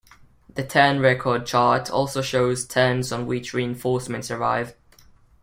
The turn record chart also shows turns on which reinforcements arrive.